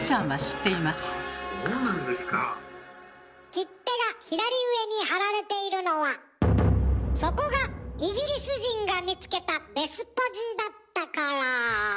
切手が左上に貼られているのはそこがイギリス人が見つけたベスポジだったから。